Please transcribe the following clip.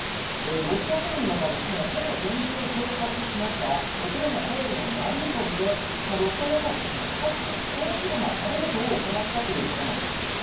ロシア軍がほぼ全域を掌握しましたウクライナ東部のマリウポリでロシア側が比較的小規模なパレードを行ったということなんです。